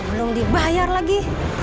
belum dibayar lagi